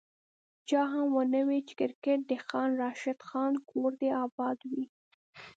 چا هم ونه ویل چي کرکیټ د خان راشد خان کور دي اباد وي